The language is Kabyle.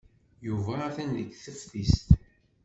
Yuba atan deg teftist.